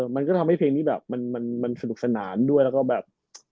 มันก็ทำให้เพลงนี้แบบมันสนุกสนานด้วยแล้วก็แบบ